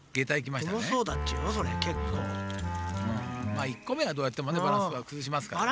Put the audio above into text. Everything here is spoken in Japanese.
まあ１こめはどうやってもねバランスはくずしますからね。